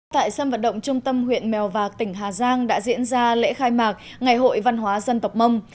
tại sân vận động trung tâm huyện mèo vạc tỉnh hà giang đã diễn ra lễ khai mạc ngày hội văn hóa dân tộc mông